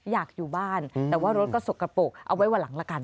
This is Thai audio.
อยากอยู่บ้านแต่ว่ารถก็สกปรกเอาไว้วันหลังละกัน